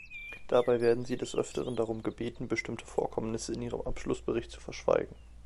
Dabei werden sie des Öfteren darum gebeten, bestimmte Vorkommnisse in ihrem Abschlussbericht zu verschweigen.